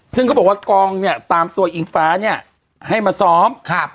ซึ่งเขาบอกว่ากองเนี่ยตามตัวอิงฟ้าเนี่ยให้มาซ้อมครับ